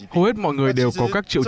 hầu hết mọi người đều có các trường hợp